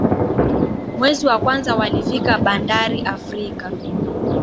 Mwezi wa kwanza walifika bandari Afrika